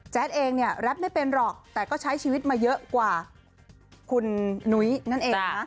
เองเนี่ยแรปไม่เป็นหรอกแต่ก็ใช้ชีวิตมาเยอะกว่าคุณนุ้ยนั่นเองนะ